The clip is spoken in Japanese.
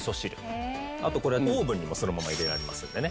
あとこれオーブンにもそのまま入れられますんでね。